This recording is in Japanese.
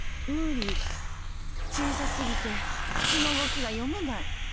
無理小さすぎて口の動きが読めない。